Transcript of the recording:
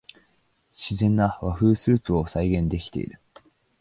自然な和風スープを再現できてる